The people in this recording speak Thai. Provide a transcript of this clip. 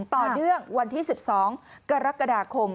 ต่อเนื่องวันที่๑๒กรกฎาคม